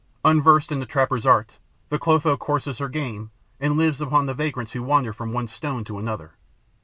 Unversed in the trapper's art, the Clotho courses her game and lives upon the vagrants who wander from one stone to another.